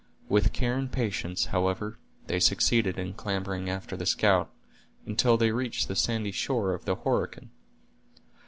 With care and patience, however, they succeeded in clambering after the scout, until they reached the sandy shore of the Horican.